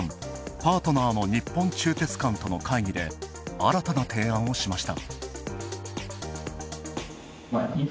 パートナーの日本鋳鉄管の会議で新たな提案をしました。